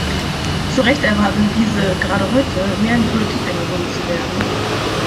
Zu Recht erwarten diese gerade heute, mehr in Politik eingebunden zu werden.